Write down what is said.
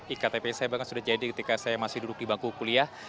iktp saya bahkan sudah jadi ketika saya masih duduk di bangku kuliah